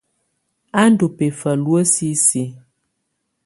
A ndu bɛfa luǝ́ sisiǝ.